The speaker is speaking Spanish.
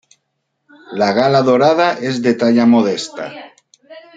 La gala dorada es de talla modesta.